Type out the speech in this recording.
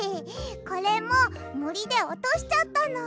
これももりでおとしちゃったの。